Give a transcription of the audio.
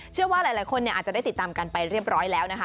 เชื่อว่าหลายคนอาจจะได้ติดตามกันไปเรียบร้อยแล้วนะคะ